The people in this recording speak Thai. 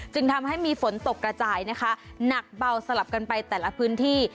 จึงทำให้มีฝนตกกระจายนะคะหนักเบาสลับกันไปแต่ละพื้นที่